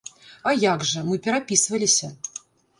А як жа, мы перапісваліся!